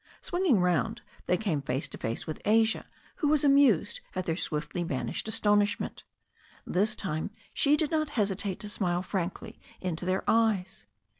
Swinging round, they came face to face with Asia, who was amused at their swiftly banished as tonishment. This time she did not hesitate to smile frankly into their eyes.